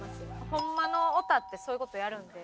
ホンマのオタってそういう事やるんで。